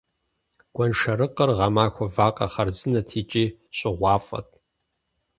Гуэншэрыкъыр гъэмахуэ вакъэ хъарзынэт икӀи щӀыгъуафӀэт.